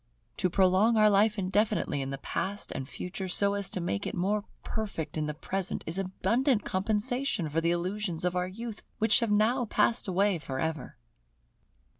To prolong our life indefinitely in the Past and Future, so as to make it more perfect in the Present, is abundant compensation for the illusions of our youth which have now passed away for ever.